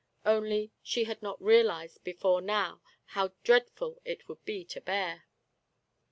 Only, she had not realized before how dreadful it would be to bear.